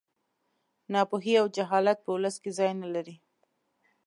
ناپوهي او جهالت په ولس کې ځای نه لري